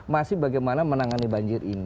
masih bagaimana menangani banjir ini